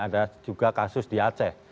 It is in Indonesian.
ada juga kasus di aceh